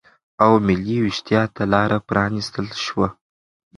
او ملي وېښتیا ته لاره پرا نستل شوه